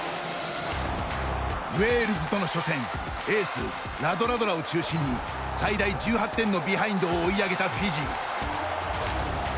ウェールズとの初戦エース、ラドラドラを中心に最大１８点のビハインドを追い上げたフィジー。